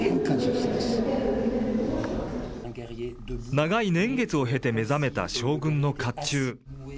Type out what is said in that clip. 長い年月を経て目覚めた将軍のかっちゅう。